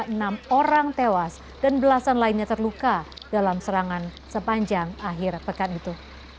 enam orang tewas dan belasan lainnya terluka dalam serangan sepanjang akhir pekan itu